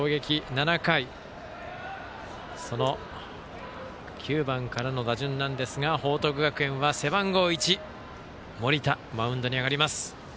７回、その９番からの打順なんですが報徳学園は背番号１、盛田マウンドに上がります。